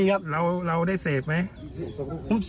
แล้วเราได้เสพไหม